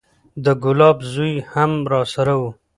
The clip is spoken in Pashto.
د ګلاب زوى هم راسره و.